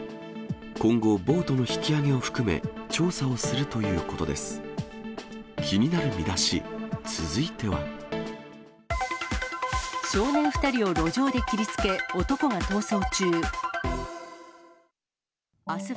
今後、ボートの引き揚げを含め、調査をするということです。